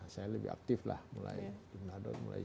saya lebih aktif lah mulai menado mulai sembilan puluh tujuh